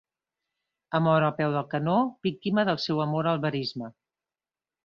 Ha mort al peu del canó, víctima del seu amor al verisme